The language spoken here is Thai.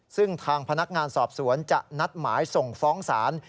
ซึ่งทางพนักงานสอบสวนจะนัดหมายส่งฟ้องศาล